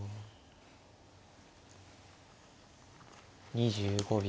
２５秒。